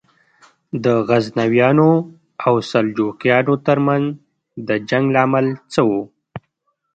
د غزنویانو او سلجوقیانو تر منځ د جنګ لامل څه و؟